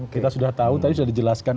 kita sudah tahu tadi sudah dijelaskan